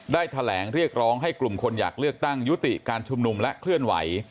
แถลงเรียกร้องให้กลุ่มคนอยากเลือกตั้งยุติการชุมนุมและเคลื่อนไหว